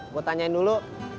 gue tanyain dulu